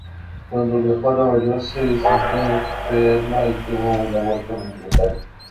Cuando viajó a Nueva York se sintió enferma y tuvo un aborto involuntario.